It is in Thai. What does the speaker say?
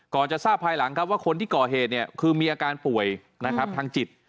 จะทราบภายหลังครับว่าคนที่ก่อเหตุเนี่ยคือมีอาการป่วยนะครับทางจิต